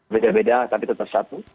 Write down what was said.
beda beda tapi tetap satu